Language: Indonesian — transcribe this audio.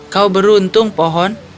kau beruntung pohon